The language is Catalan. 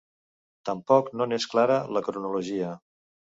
Tampoc no n'és clara la cronologia.